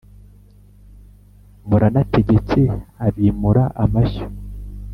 muranategeke abimura amashyo